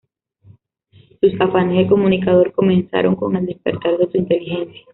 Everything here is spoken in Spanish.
Sus afanes de comunicador comenzaron con el despertar de su inteligencia.